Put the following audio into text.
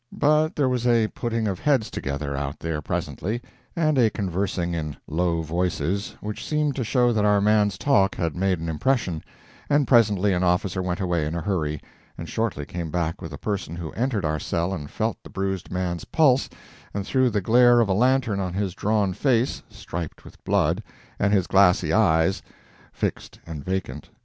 But there was a putting of heads together out there presently, and a conversing in low voices, which seemed to show that our man's talk had made an impression; and presently an officer went away in a hurry, and shortly came back with a person who entered our cell and felt the bruised man's pulse and threw the glare of a lantern on his drawn face, striped with blood, and his glassy eyes, fixed and vacant.